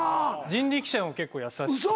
人力舎も結構優しくて。